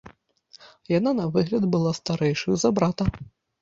Яна на выгляд была старэйшаю за брата.